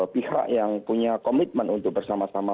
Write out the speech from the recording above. pihak yang punya komitmen untuk bersama sama